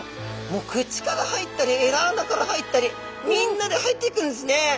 もう口から入ったりえらあなから入ったりみんなで入っていくんですね。